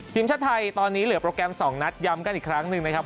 ทีมชาติไทยตอนนี้เหลือโปรแกรม๒นัดย้ำกันอีกครั้งหนึ่งนะครับ